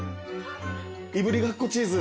いぶりがっこチーズ。